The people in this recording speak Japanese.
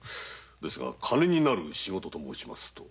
金になる仕事と申しますと。